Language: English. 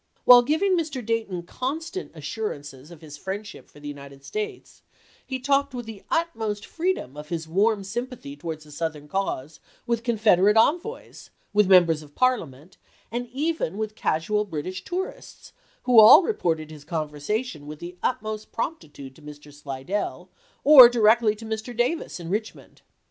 While giving to Mr. Dayton constant assurances of his friendship for the United States, he talked with the utmost freedom of his warm sympathy toward the Southern cause with Confederate envoys, with Members of Parliament, and even with casual British tourists, who all reported his conversation with the utmost promptitude to Mr. Slidell, or directly to Mr. Davis in Richmond.